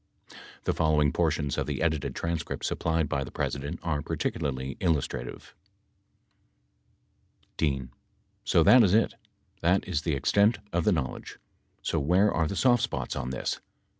The following portions of the edited transcript supplied by the President are particularly illustrative : D. So that is it. That is the extent of the knowledge. So where are the soft spots on this